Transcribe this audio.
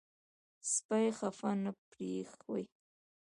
سپي خفه نه پرېښوئ.